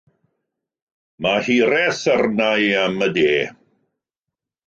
Mae hiraeth arna i am y de.